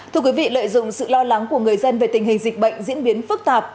thưa quý vị lợi dụng sự lo lắng của người dân về tình hình dịch bệnh diễn biến phức tạp